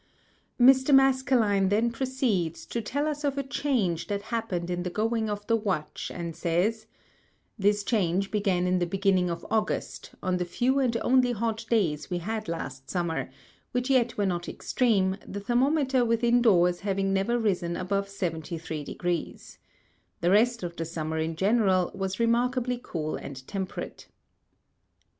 ŌĆØ Mr. Maskelyne then proceeds to tell us of a Change that happenŌĆÖd in the going of the Watch, and says, ŌĆ£this Change began in the Beginning of August, on the few and only hot Days we had last Summer, which yet were not extreme, the Thermometer within Doors having never risen above 73┬░. The Rest of the Summer in general was remarkably cool and temperate.